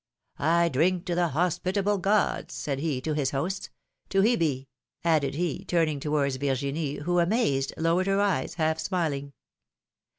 I drink to the hospitable gods," said he to his hosts ; ^^to Hebe!" added he, turning towards Virginie, who, amazed, lowered her eyes, half smiling.